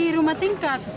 di rumah tingkat